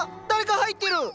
誰か入ってる！